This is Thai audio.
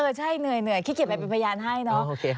เลยเหนื่อยขี้เกียจจำเป็นบริยานตรวจให้เนอะ